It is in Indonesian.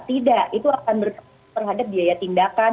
tidak itu akan berhadap biaya tindakan